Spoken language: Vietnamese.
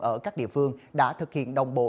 ở các địa phương đã thực hiện đồng bộ